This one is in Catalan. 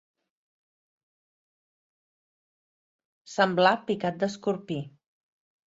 Semblar picat d'escorpí.